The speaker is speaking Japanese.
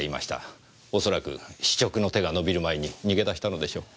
恐らく司直の手が伸びる前に逃げ出したのでしょう。